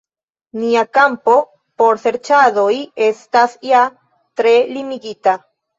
Nia kampo por serĉadoj estas ja tre limigita.